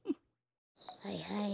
はいはい。